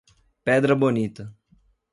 Pedra Bonita